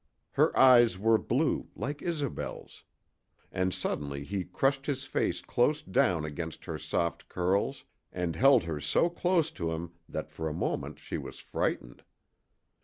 Her eyes were blue, like Isobel's; and suddenly he crushed his face close down against her soft curls and held her so close to him that for a moment she was frightened.